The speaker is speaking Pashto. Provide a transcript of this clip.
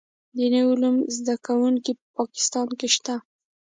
دیني علومو زده کوونکي په پاکستان کې شته.